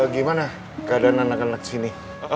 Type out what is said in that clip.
gimana keadaan anak anak sini